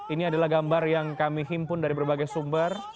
ini adalah gambar yang kami himpun dari berbagai sumber